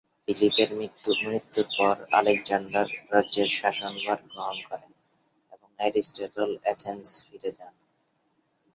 ফিলিপের মৃত্যুর পর আলেকজান্ডার রাজ্যের শাসনভার গ্রহণ করেন এবং অ্যারিস্টটল এথেন্স ফিরে যান।